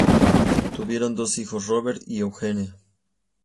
Tuvieron dos hijos, Robert y Eugene.